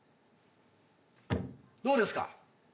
どうですか？